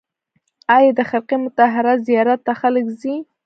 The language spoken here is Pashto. آیا د خرقه مطهره زیارت ته خلک ځي؟